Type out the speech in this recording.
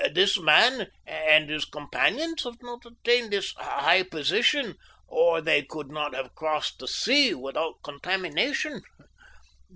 This man and his companions have not attained this high position or they could not have crossed the sea without contamination.